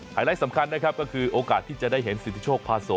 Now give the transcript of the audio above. ไลท์สำคัญนะครับก็คือโอกาสที่จะได้เห็นสิทธิโชคพาโส